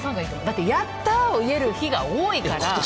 だって、やったーを言える日が多いから。